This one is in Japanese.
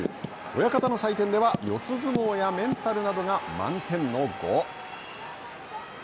親方の採点では四つ相撲やメンタルなどが満点の５。